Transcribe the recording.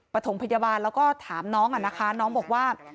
ประถมพยาบาลแล้วก็ถามน้องอ่ะนะคะน้องบอกว่า